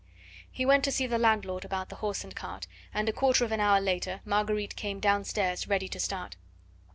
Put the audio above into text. He went to see the landlord about the horse and cart, and a quarter of an hour later Marguerite came downstairs ready to start.